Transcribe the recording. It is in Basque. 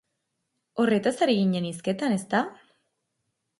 Horretaz ari ginen hizketan, ezta?